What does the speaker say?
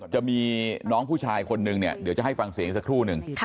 จะมีน้องผู้ชายคนนึงเนี่ยเดี๋ยวจะให้ฟังเสียงอีกสักครู่นึง